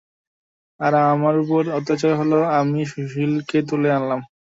আর আমার উপর অত্যাচার হলো, আমি সুশীলাকে তুলে আনলাম।